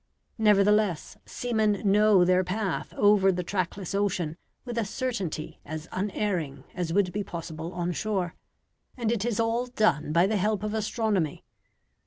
Nevertheless, seamen know their path over the trackless ocean with a certainty as unerring as would be possible on shore; and it is all done by the help of astronomy.